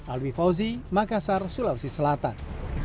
alwi fauzi makassar sulawesi selatan